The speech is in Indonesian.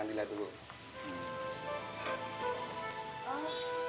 ini schedule buat ngajar umi ya